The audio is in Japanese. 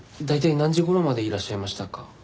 大体何時頃までいらっしゃいましたか？